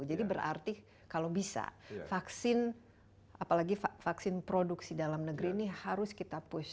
jadi berarti kalau bisa vaksin apalagi vaksin produksi dalam negeri ini harus kita push